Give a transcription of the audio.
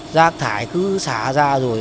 giác thải cứ xá ra rồi